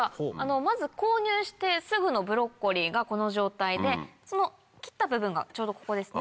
まず購入してすぐのブロッコリーがこの状態で切った部分がちょうどここですね。